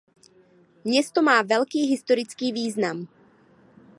Město má velký historický význam.